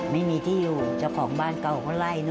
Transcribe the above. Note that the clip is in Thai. ไม่มีที่อยู่เจ้าของบ้านเก่าเขาไล่